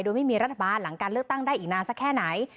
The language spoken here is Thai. โดยไม่มีรัฐบาลหลังการเลือกตั้งได้อีกนานสักแค่ไหน